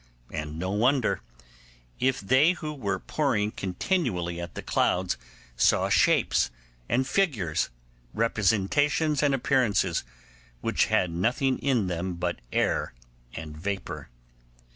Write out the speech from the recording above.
And no wonder, if they who were poring continually at the clouds saw shapes and figures, representations and appearances, which had nothing in them but air, and vapour.